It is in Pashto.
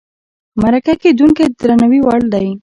مرکه کېدونکی د درناوي وړ دی.